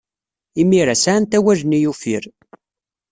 Imir-a, sɛant awal-nni uffir.